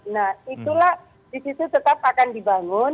nah itulah di situ tetap akan dibangun